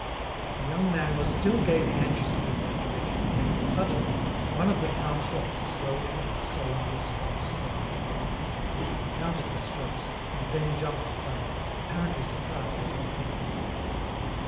The young man was still gazing anxiously in that direction when, suddenly, one of the town clocks slowly and solemnly struck seven. He counted the strokes, and then jumped down, apparently surprised and relieved.